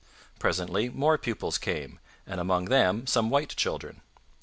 Presently more pupils came, and among them some white children.